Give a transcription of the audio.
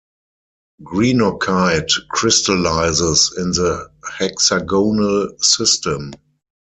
Greenockite crystallizes in the hexagonal system.